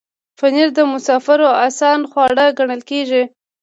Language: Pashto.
پنېر د مسافرو آسان خواړه ګڼل کېږي.